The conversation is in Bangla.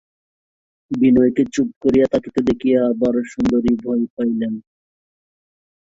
বিনয়কে চুপ করিয়া থাকিতে দেখিয়া বরদাসুন্দরী ভয় পাইলেন।